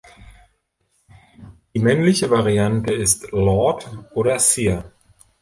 Die männliche Variante ist "Lord" oder "Sir".